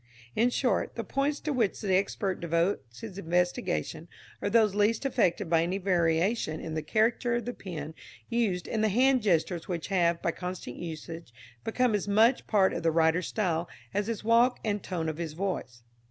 In short, the points to which the expert devotes his investigation are those least affected by any variation in the character of the pen used and the hand gestures which have, by constant usage, become as much part of the writer's style as his walk and the tone of his voice.